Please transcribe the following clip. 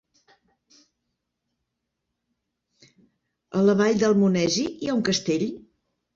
A la Vall d'Almonesir hi ha un castell?